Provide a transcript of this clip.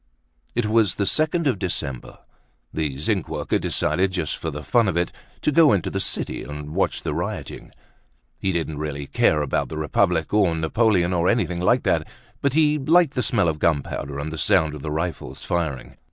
It was the second of December. The zinc worker decided, just for the fun of it, to go into the city and watch the rioting. He didn't really care about the Republic, or Napoleon or anything like that, but he liked the smell of gunpowder and the sound of the rifles firing.